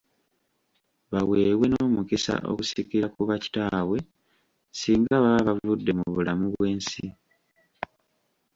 Baweebwe n'omukisa okusikira ku bakitabwe singa baba bavudde mu bulamu bw'ensi.